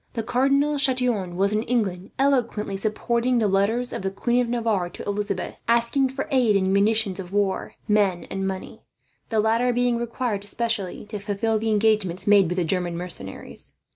The Cardinal Chatillon was in England, eloquently supporting the letters of the Queen of Navarre to Elizabeth, asking for aid and munitions of war, men, and money the latter being required, especially, to fulfil the engagements made with the German mercenaries.